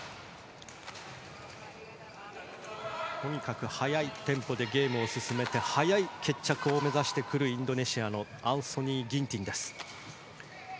とにかく速いテンポでゲームを進めて早い決着を目指してくるインドネシアのインドネシアのアンソニー・ギンティンです。